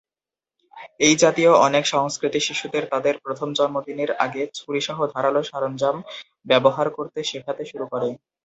এই জাতীয় অনেক সংস্কৃতি শিশুদের তাদের প্রথম জন্মদিনের আগে ছুরি সহ ধারালো সরঞ্জাম ব্যবহার করতে শেখাতে শুরু করে।